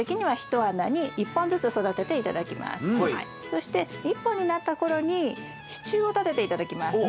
そして１本になった頃に支柱を立てて頂きます。